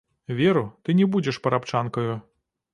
Веру, ты не будзеш парабчанкаю.